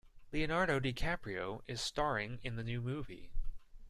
Leonardo DiCaprio is staring in the new movie.